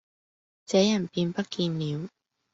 這人便不見了。